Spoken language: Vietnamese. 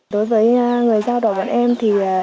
đối với người dao đỏ bọn em thì